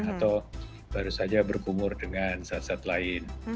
atau baru saja berkumur dengan zat zat lain